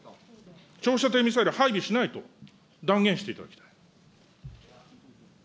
長射程ミサイルを配備しないと断言していただきたい。